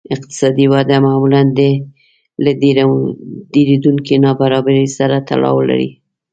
اقتصادي وده معمولاً له ډېرېدونکې نابرابرۍ سره تړاو لري